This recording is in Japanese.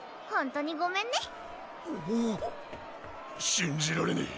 信じられねぇ。